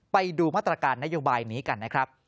ไปดูมาตรการนโยบายนี้กันนะครับ